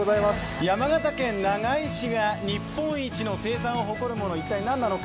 山形県長井市が日本一の生産を誇るもの、一体何なのか。